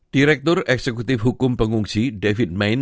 direktur eksekutif hukum pengungsi david main